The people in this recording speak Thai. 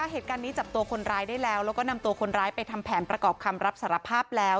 เหตุการณ์นี้จับตัวคนร้ายได้แล้วแล้วก็นำตัวคนร้ายไปทำแผนประกอบคำรับสารภาพแล้ว